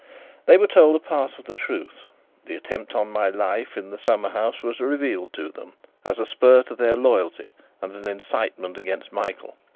They were told a part of the truth; the attempt on my life in the summer house was revealed to them, as a spur to their loyalty and an incitement against Michael.